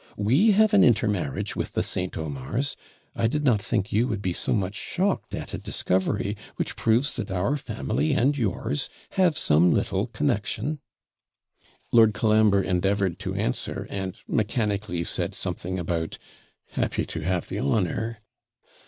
We have an intermarriage with the St. Omars. I did not think you would be so much shocked at a discovery, which proves that our family and yours have some little connexion.' Lord Colambre endeavoured to answer, and mechanically said something about, 'happy to have the honour.'